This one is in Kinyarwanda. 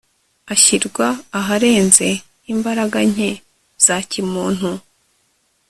ashyirwa aharenze imbaraga nke za kimuntu